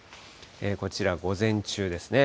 こちら午前中ですね。